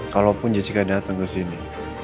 kalaupun jessica datang ke sini